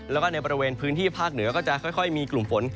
แล้วก็ในบริเวณพื้นที่ภาคเหนือก็จะค่อยมีกลุ่มฝน